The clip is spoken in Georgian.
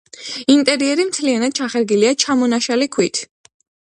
ინტერიერი მთლიანად ჩახერგილია ჩამონაშალი ქვით.